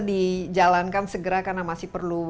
dijalankan segera karena masih perlu